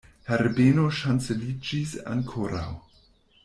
Herbeno ŝanceliĝis ankoraŭ.